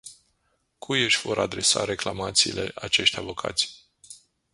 Cui își vor adresa reclamațiile acești avocați?